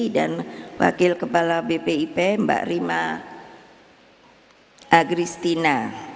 dan wakil kepala bpip mbak rima aghristina